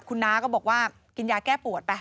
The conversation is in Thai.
คุณน้าก็บอกว่ากินยาแก้ปวดไป